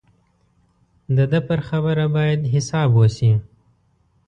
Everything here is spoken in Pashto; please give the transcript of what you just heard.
د ده پر خبره باید حساب وشي.